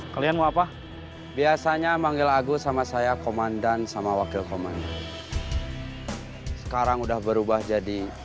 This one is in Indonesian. kalian mau apa biasanya manggil agus sama saya komandan sama wakil komandan sekarang udah berubah jadi